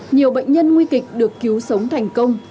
nhiều bệnh nhân nguy kịch được cứu sống thành công